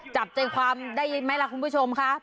จับใจความได้ยินไหมล่ะคุณผู้ชมค่ะ